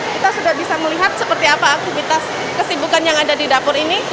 kita sudah bisa melihat seperti apa aktivitas kesibukan yang ada di dapur ini